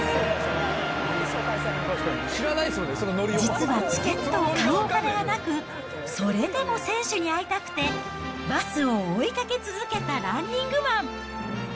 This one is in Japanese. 実はチケットを買うお金がなく、それでも選手に会いたくて、バスを追いかけ続けたランニングマン。